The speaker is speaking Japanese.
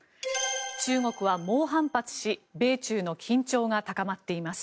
中国は猛反発し米中の緊張が高まっています。